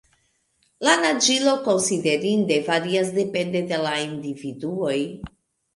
La naĝilo konsiderinde varias depende de la individuoj.